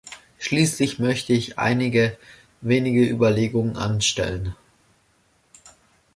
Schließlich möchte ich einige wenige Überlegungen anstellen.